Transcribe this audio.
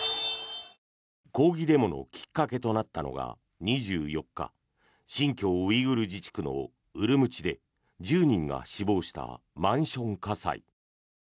抗議デモのきっかけとなったのが、２４日新疆ウイグル自治区のウルムチで１０人が死亡したマンション火災。